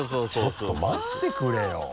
ちょっと待ってくれよ！